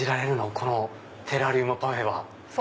このテラリウムパフェは。